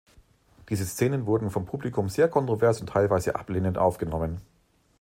Diese Szenen wurden vom Publikum sehr kontrovers und teilweise ablehnend aufgenommen.